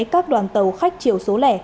các đoàn tàu khách chiều số lẻ